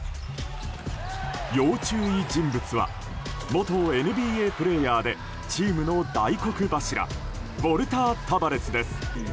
要注意人物は元ＮＢＡプレーヤーでチームの大黒柱ウォルター・タバレスです。